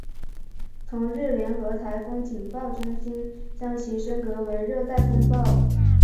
同日联合台风警报中心将其升格为热带风暴。